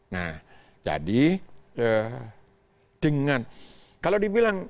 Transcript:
nah jadi dengan kalau dibilang